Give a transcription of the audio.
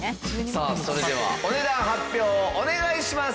さあそれではお値段発表をお願いします！